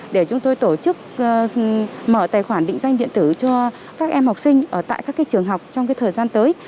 để chúng tôi tổ chức mở tài khoản định danh điện tử cho các em học sinh ở tại các trường học trong thời gian tới